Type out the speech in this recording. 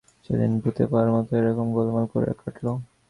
সেদিন ভূতে পাওয়ার মতো এইরকম গোলমাল করে কাটল।